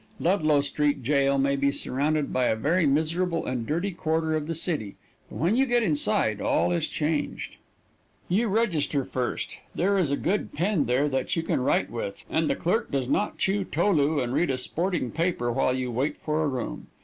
Ludlow Street Jail may be surrounded by a very miserable and dirty quarter of the city, but when you get inside all is changed. You register first. There is a good pen there that you can write with, and the clerk does not chew tolu and read a sporting paper while you wait for a room.